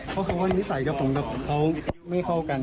เพราะคำว่านิสัยกับผมกับเขาไม่เข้ากัน